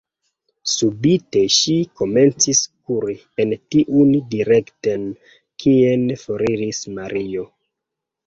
Subite ŝi komencis kuri en tiun direkten, kien foriris Mario.